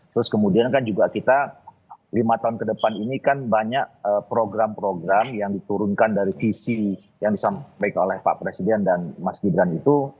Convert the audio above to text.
terus kemudian kan juga kita lima tahun ke depan ini kan banyak program program yang diturunkan dari visi yang disampaikan oleh pak presiden dan mas gibran itu